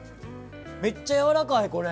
めっちゃやわらかいこれ。